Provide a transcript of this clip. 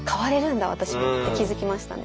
私もって気付きましたね。